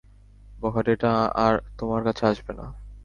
বখাটেটা আর তোমার কাছে আসবে না।